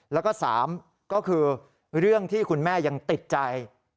แล้วก็๓ก็คือเรื่องที่คุณแม่ยังติดใจ